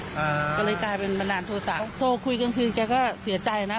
ก็เลยกลายเป็นบันดาลโทษะโทรคุยกลางคืนแกก็เสียใจนะ